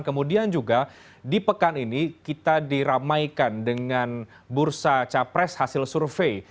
kemudian juga di pekan ini kita diramaikan dengan bursa capres hasil survei